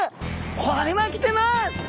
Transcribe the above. これはきてます！